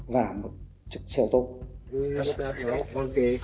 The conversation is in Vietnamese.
và một trực xeo tôm